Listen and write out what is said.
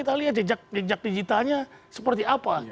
kita lihat jejak jejak digitalnya seperti apa